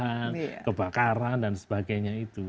menangani masalah lahan kebakaran dan sebagainya itu